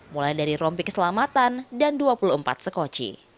mulai dari rompi keselamatan dan dua puluh empat sekoci